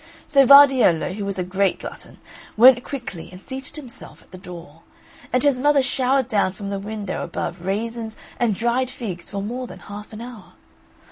So Vardiello, who was a great glutton, went quickly and seated himself at the door; and his mother showered down from the window above raisins and dried figs for more than half an hour.